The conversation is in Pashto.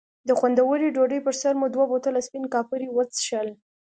د خوندورې ډوډۍ پر سر مو دوه بوتله سپین کاپري وڅښل.